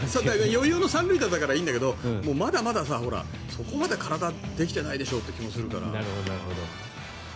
余裕の３塁打だからいいんだけどそこまで体ができてないでしょうという気もするから。